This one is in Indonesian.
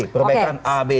perbaikan a b c